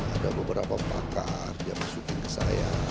ada beberapa pakar dia masukin ke saya